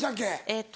えっと